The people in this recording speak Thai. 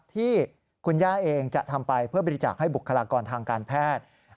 ที่คุณย่าเองจะทำไปเพื่อบริจาคให้บุคลากรทางการแพทย์